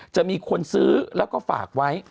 จะมีคนซื้อแล้วก็ฝากไว้